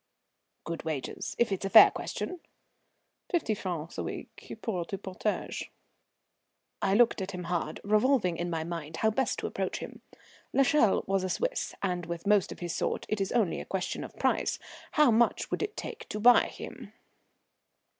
"Good wages, if it's a fair question?" "Fifty francs a week, pour tout potage." I looked at him hard, revolving in my mind how best to approach him. L'Echelle was a Swiss, and with most of his sort it is only a question of price. How much would it take to buy him?